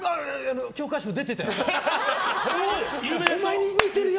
教科書出てたよ。